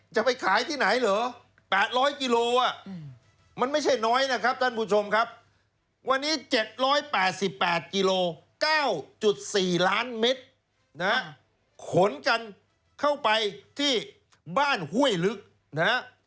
เก้าจุดสี่ล้านเมตรนะฮะขนกันเข้าไปที่บ้านห้วยลึกนะฮะ